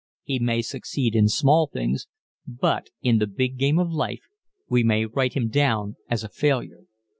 He may succeed in small things but in the big game of life we may write him down as a failure.